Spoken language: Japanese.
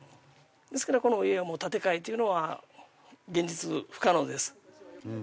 ですからこの家はもう建て替えっていうのは現実不可能です。